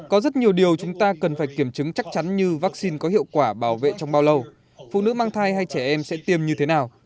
có rất nhiều điều chúng ta cần phải kiểm chứng chắc chắn như vaccine có hiệu quả bảo vệ trong bao lâu phụ nữ mang thai hay trẻ em sẽ tiêm như thế nào